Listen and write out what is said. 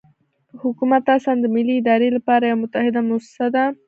حکومت اصلاً د ملي ادارې لپاره یوه متحده موسسه ده.